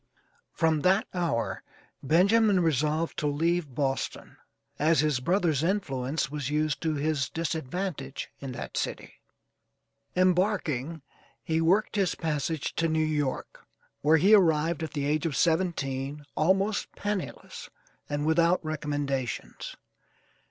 From that hour Benjamin resolved to leave Boston, as his brother's influence was used to his disadvantage in that city. Embarking, he worked his passage to New York, where he arrived at the age of seventeen, almost penniless, and without recommendations.